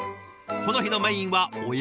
この日のメインは親子丼。